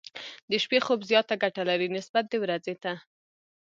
د شپې خوب زياته ګټه لري، نسبت د ورځې ته.